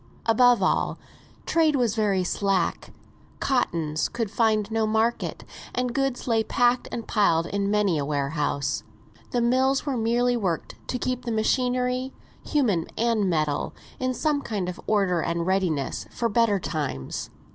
Above all, trade was very slack; cottons could find no market, and goods lay packed and piled in many a warehouse. The mills were merely worked to keep the machinery, human and metal, in some kind of order and readiness for better times.